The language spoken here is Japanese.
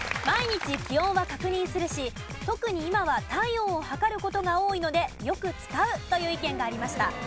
毎日気温は確認するし特に今は体温を測る事が多いのでよく使うという意見がありました。